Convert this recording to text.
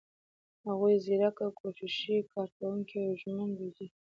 هغوی زیرک، کوښښي، کارکوونکي او ژمن روزي.